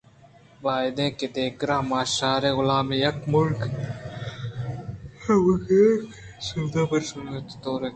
بائدیں کہ دگرءِ مَہ شہارئے غُلام یک مَرگی ءُ نزوریں گُرکے کہ شُدءَ پرٛوشتگ اَت ءُ دئور داتگ اَت